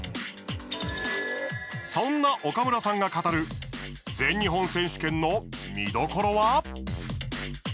そんな岡村さんが語る全日本選手権の見どころは？